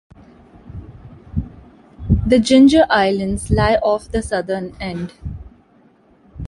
The Ginger Islands lie off the southern end.